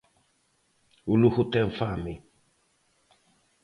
O Lugo ten fame.